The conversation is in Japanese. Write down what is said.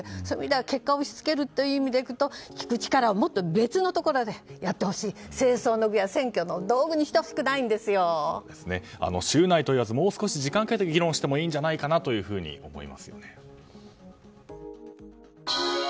結果を押し付けるという意味でいくと、聞く力をもっと別のところでやってほしい戦争を選挙の道具に週内と言わずもう少し時間をかけて議論してもいいのではと思いますよね。